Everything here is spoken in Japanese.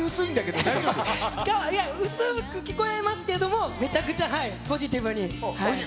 いや、薄く聞こえますけども、めちゃくちゃポジティブに。